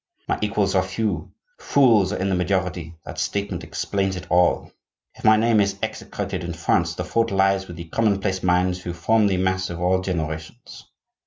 My equals are few; fools are in the majority: that statement explains it all. If my name is execrated in France, the fault lies with the commonplace minds who form the mass of all generations.